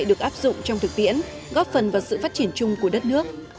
được áp dụng trong thực tiễn góp phần vào sự phát triển chung của đất nước